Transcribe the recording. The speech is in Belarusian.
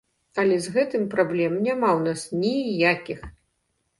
Але з гэтым праблем няма ў нас ніякіх!